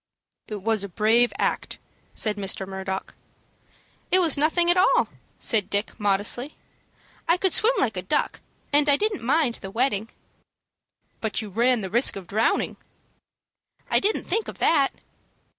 "It was a brave act," said Mr. Murdock. "It was nothing at all," said Dick, modestly. "I could swim like a duck, and I didn't mind the wetting." "But you ran the risk of drowning." "I didn't think of that."